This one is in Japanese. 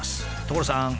所さん！